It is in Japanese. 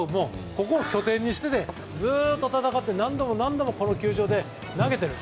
ここを拠点にしてずっと戦って何度も何度もこの球場で投げている。